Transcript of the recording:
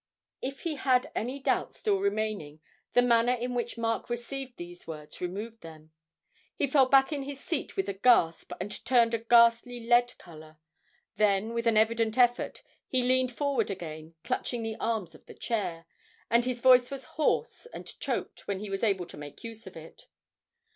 If he had any doubts still remaining, the manner in which Mark received these words removed them. He fell back in his seat with a gasp and turned a ghastly lead colour; then, with an evident effort, he leaned forward again, clutching the arms of the chair, and his voice was hoarse and choked when he was able to make use of it.